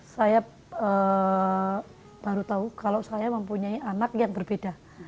saya baru tahu kalau saya mempunyai anak yang berbeda